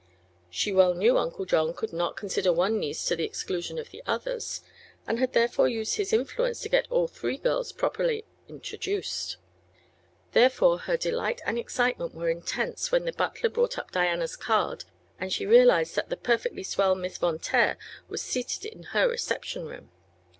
She well knew Uncle John would not consider one niece to the exclusion of the others, and had therefore used his influence to get all three girls properly "introduced." Therefore her delight and excitement were intense when the butler brought up Diana's card and she realized that "the perfectly swell Miss Von Taer" was seated in her reception room.